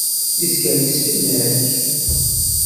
Yeskerkes fell-ak.